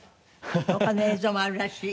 他も映像もあるらしい。